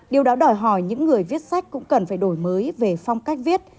điều đó đòi hỏi những người viết sách cũng cần phải đổi mới về phong cách viết